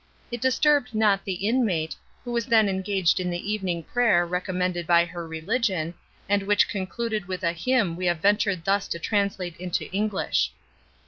It disturbed not the inmate, who was then engaged in the evening prayer recommended by her religion, and which concluded with a hymn we have ventured thus to translate into English.